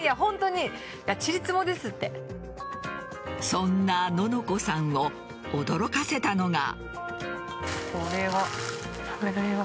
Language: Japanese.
そんなののこさんを驚かせたのが。